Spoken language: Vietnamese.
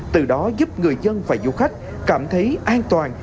từ đó giúp người dân và du khách cảm thấy an toàn